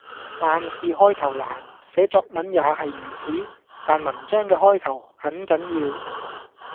萬事開頭難，寫作文也係如此，但文章嘅開頭很緊要